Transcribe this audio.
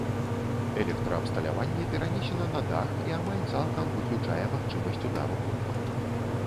Электраабсталяванне перанесена на дах і амаль цалкам выключае магчымасць удару токам.